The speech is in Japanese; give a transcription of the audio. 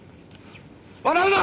笑うな！